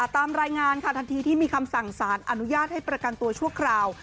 ตามรายงานค่ะทันทีที่มีคำสั่งสารอนุญาตให้ประกันตัวชั่วคราว